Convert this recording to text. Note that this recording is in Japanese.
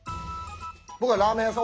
僕はラーメン屋さん。